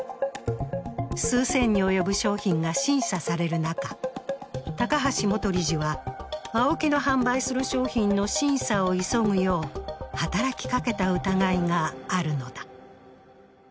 数千に及ぶ商品が審査される中、高橋元理事はＡＯＫＩの販売する商品の審査を急ぐよう働きかけた疑いがあるのだ。